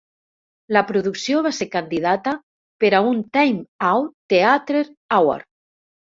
La producció va ser candidata per a un Time Out Theatre Award.